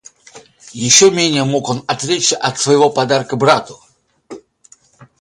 Еще менее мог он отречься от своего подарка брату.